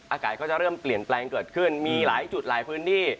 อากาศก็จะเริ่มเปลี่ยนแปลงเกิดขึ้นมีหลายจุดหลายพื้นที่